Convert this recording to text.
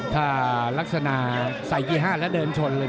ถ้าลักษณะใส่กี่๕แล้วเดินชนเลย